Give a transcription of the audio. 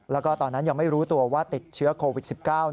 แล้วก็ตอนนั้นยังไม่รู้ตัวว่าติดเชื้อโควิด๑๙